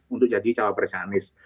untuk jadi capres anis